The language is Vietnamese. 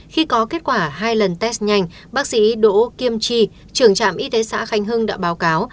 khi có kết quả hai lần test nhanh bác sĩ đỗ kim chi trưởng trạm y tế xã khánh hưng đã báo cáo